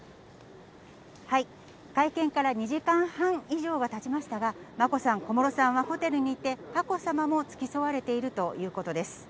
会見から２時間半以上がたちましたが、眞子さん、小室さんはホテルにいて、佳子さまも付き添われているということです。